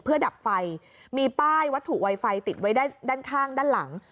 เพื่อดับไฟมีป้ายวัตถุไวไฟติดไว้ด้านข้างด้านหลัง